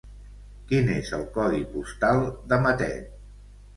Quin és el codi postal de Matet?